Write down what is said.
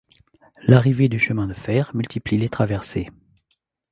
L'arrivée du chemin de fer multiplie les traversées.